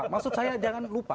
masuk saya jangan lupa